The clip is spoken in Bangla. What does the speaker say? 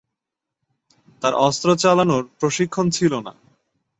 তার অস্ত্র চালানোর প্রশিক্ষণ ছিল না।